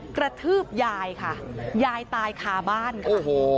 กระทืบยายค่ะยายตายคาบ้านค่ะ